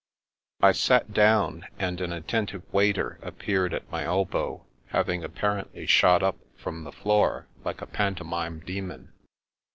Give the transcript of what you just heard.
I sat down, and an attentive waiter appeared at my elbow, having apparently shot up from the floor like a pantomime demon.